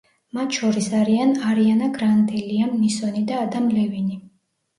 მათ შორის არიან არიანა გრანდე, ლიამ ნისონი და ადამ ლევინი.